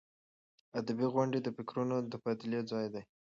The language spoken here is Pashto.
ادبي غونډې د فکرونو د تبادلې ځای دی.